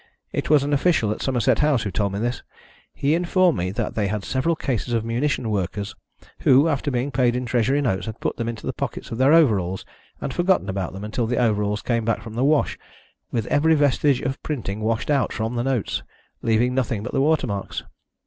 It was an official at Somerset House who told me this. He informed me that they had several cases of munition workers who, after being paid in Treasury notes, had put them into the pockets of their overalls, and forgotten about them until the overalls came back from the wash with every vestige of printing washed out from the notes, leaving nothing but the watermarks.